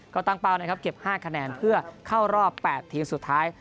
ก็ตั้งเป้านะครับเก็บ๕คะแนนเพื่อเข้ารอบ๘ทีมสุดท้าย